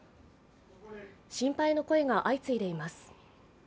心配の声が相次いでいます。